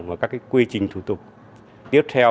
và các quy trình thủ tục tiếp theo